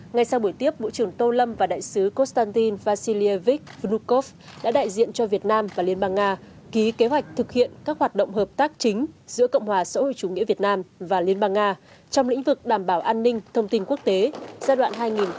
ngay sau buổi tiếp bộ trưởng tô lâm và đại sứ konstantin vassilievich vnukov đã đại diện cho việt nam và liên bang nga ký kế hoạch thực hiện các hoạt động hợp tác chính giữa cộng hòa sở hữu chủ nghĩa việt nam và liên bang nga trong lĩnh vực đảm bảo an ninh thông tin quốc tế giai đoạn hai nghìn hai mươi hai nghìn hai mươi một